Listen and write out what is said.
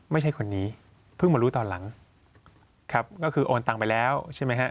ไม่ใช่คนนี้เพิ่งมารู้ตอนหลังครับก็คือโอนตังไปแล้วใช่ไหมฮะ